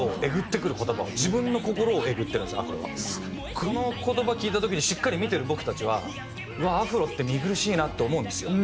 その言葉聞いた時にしっかり見てる僕たちはうわっアフロって見苦しいなって思うんですよ。